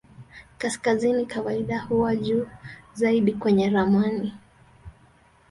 Kaskazini kawaida huwa juu zaidi kwenye ramani.